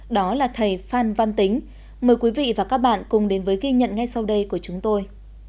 đó là thầy phan văn tính mời quý vị và các bạn cùng đến với ghi nhận ngay sau đây của chúng tôi